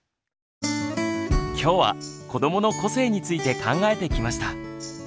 きょうは「子どもの個性」について考えてきました。